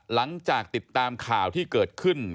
หลังจากติดตามข่าวที่เกิดขึ้น